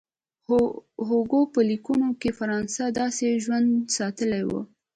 هوګو په لیکونو کې فرانسه داسې ژوندۍ ساتلې وه.